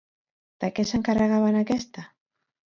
De què s'encarregava en aquesta?